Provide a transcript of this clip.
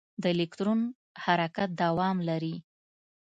د الکترون حرکت دوام لري.